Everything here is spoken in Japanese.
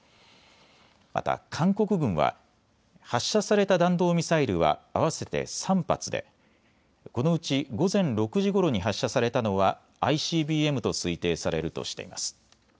また韓国軍は発射された弾道ミサイルは合わせて３発でこのうち午前６時ごろに発射されたのはＩＣＢＭと推定されるとしています。